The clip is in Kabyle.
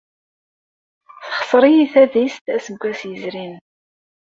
Texṣer-iyi tadist aseggas yezrin.